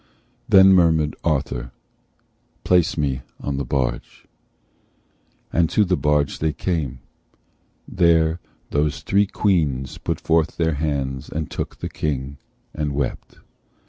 Then murmur'd Arthur, "Place me in the barge," And to the barge they came. There those three Queens Put forth their hands, and took the King, and wept.